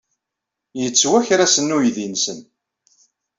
Yettwaker-asen uydi-nsen.